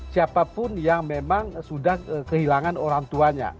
siapapun yang memang sudah kehilangan orang tuanya